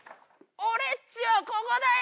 俺っちはココだよ！